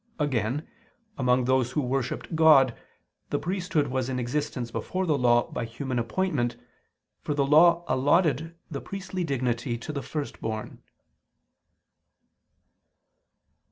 Again, among those who worshipped God, the priesthood was in existence before the Law by human appointment, for the Law allotted the priestly dignity to the firstborn.